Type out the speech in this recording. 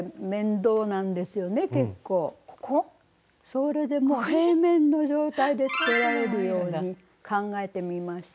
それでもう平面の状態でつけられるように考えてみました。